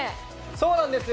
そうなんです